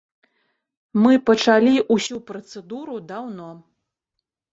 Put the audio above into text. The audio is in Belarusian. Мы пачалі ўсю працэдуру даўно.